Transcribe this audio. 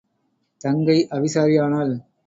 தங்கை அவிசாரி ஆனாள்.